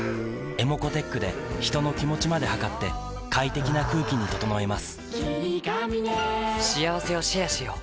ｅｍｏｃｏーｔｅｃｈで人の気持ちまで測って快適な空気に整えます